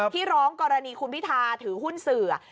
ที่ร้องกรณีคุณพิธาถือหุ้นสื่อ